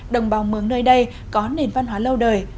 đồng bào mường nơi đây có nền văn hóa lâu đời